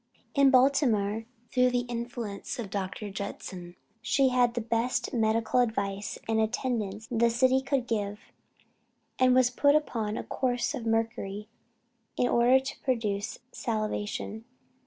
In Baltimore, through the influence of Dr. Judson, she had the best medical advice and attendance the city could give; and was put upon a course of mercury in order to produce salivation.